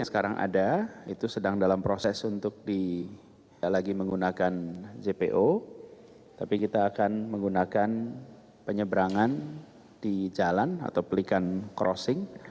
kita akan menggunakan jpo tapi kita akan menggunakan penyebrangan di jalan atau pelican crossing